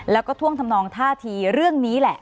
แล้วก็ท่วงทำนองท่าทีเรื่องนี้แหละ